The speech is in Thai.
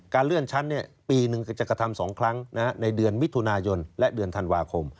เลื่อนชั้นปีหนึ่งจะกระทำ๒ครั้งในเดือนมิถุนายนและเดือนธันวาคม